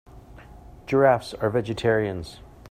Giraffes are vegetarians.